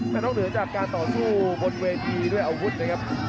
แต่นอกเหนือจากการต่อสู้บนเวทีด้วยอาวุธนะครับ